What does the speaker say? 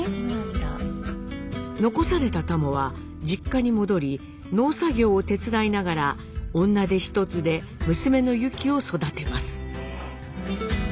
残されたタモは実家に戻り農作業を手伝いながら女手一つで娘のユキを育てます。